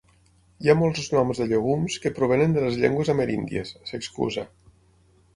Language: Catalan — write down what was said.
“Hi ha molts noms de llegums que provenen de les llengües ameríndies”, s'excusa.